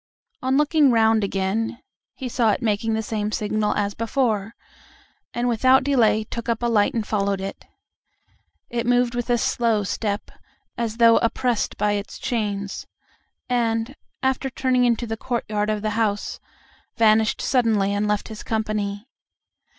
On looking round again, he saw it making the same signal as before, and without delay took up a light and followed it. It moved with a slow step, as though oppressed by its chains, and, after turning into the courtyard of the house, vanished suddenly and left his company.